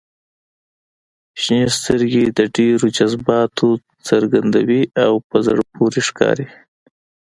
• شنې سترګې د ډېر جذباتو څرګندوي او په زړه پورې ښکاري.